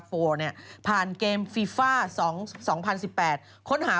พี่ชอบแซงไหลทางอะเนาะ